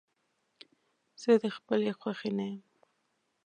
زه د خپلې خوښې نه يم.